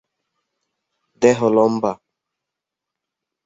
দেহ লম্বা।